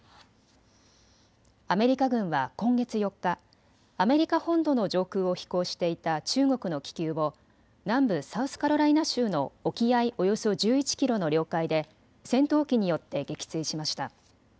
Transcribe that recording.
アメリカ軍は今月４日、アメリカ本土の上空を飛行していた中国の気球を南部サウスカロライナ州の沖合およそ１１キロの領海で戦闘機によって撃墜しました。